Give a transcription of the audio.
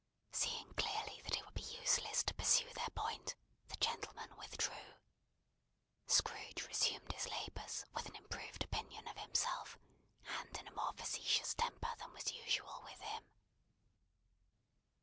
Seeing clearly that it would be useless to pursue their point, the gentlemen withdrew. Scrooge resumed his labours with an improved opinion of himself, and in a more facetious temper than was usual with him.